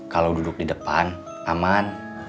kalau duduk di depan aman